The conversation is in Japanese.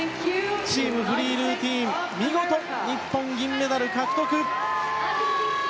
チームフリールーティン見事、日本、銀メダル獲得！